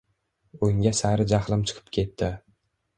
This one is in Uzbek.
Unga sari jahlim chiqib ketdi.